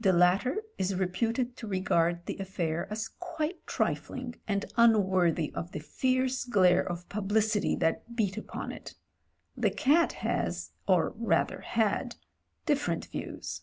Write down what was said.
The latter is reputed JAMES HENRY 229 to regard the affair as quite trifling and unworthy of the fierce glare of publicity that beat upon it. The cat, has, or rather had, different views.